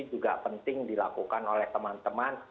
juga penting dilakukan oleh teman teman